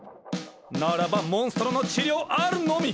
ならばモンストロの治療あるのみ！